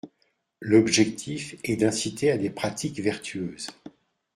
L’objectif est d’inciter à des pratiques vertueuses.